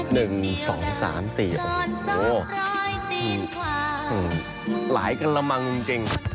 โหหลายกรมังจริง